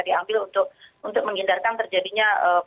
diambil untuk menghindarkan terjadinya